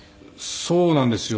そうなんですよ。